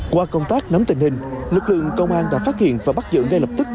qua công tác nắm tình hình lực lượng công an đã phát hiện và bắt giữ ngay lập tức